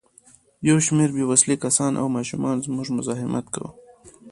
یو شمېر بې وسلې کسانو او ماشومانو زموږ مزاحمت کاوه.